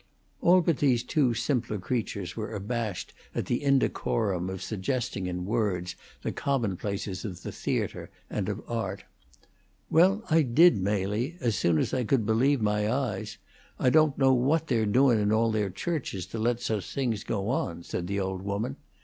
All but these two simpler creatures were abashed at the indecorum of suggesting in words the commonplaces of the theatre and of art. "Well, I did, Mely, as soon as I could believe my eyes. I don't know what they're doin' in all their churches, to let such things go on," said the old woman.